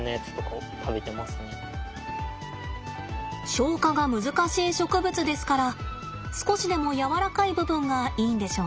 消化が難しい植物ですから少しでもやわらかい部分がいいんでしょうね。